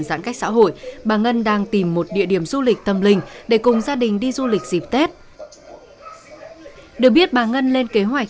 xin chào và hẹn gặp lại